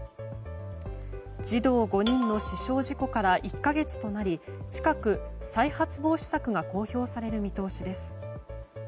児童５人の死傷事故から１か月となり近く、再発防止策が公表される見通しです。